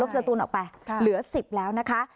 สตูนออกไปเหลือ๑๐แล้วนะคะ